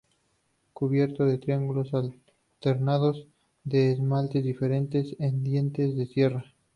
Cubierto de triángulos alternados de esmaltes diferentes, en dientes de sierra.